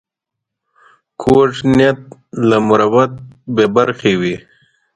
کوږ نیت له مروت بې برخې وي